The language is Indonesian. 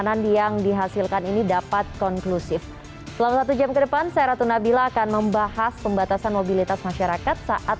dan juga dari pemerintah pemerintah yang berada di dalam pemerintah pemerintah